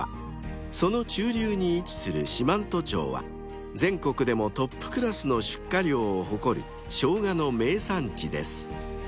［その中流に位置する四万十町は全国でもトップクラスの出荷量を誇るショウガの名産地です］